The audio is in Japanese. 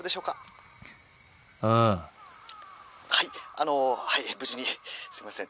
あのはい無事にすいません